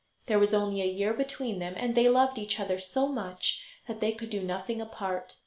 There was only a year between them, and they loved each other so much that they could do nothing apart.